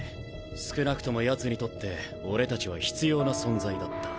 少なくともヤツにとって俺たちは必要な存在だった。